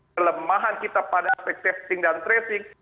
kelemahan kita pada aspek testing dan tracing